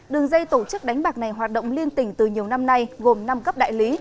đường dây tổ chức đánh bạc này hoạt động liên tỉnh từ nhiều năm nay gồm năm cấp đại lý